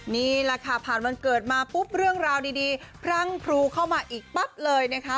นี่แหละค่ะผ่านวันเกิดมาปุ๊บเรื่องราวดีพรั่งพรูเข้ามาอีกปั๊บเลยนะคะ